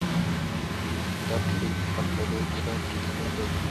The trickiest part of the proof is introducing the right topology.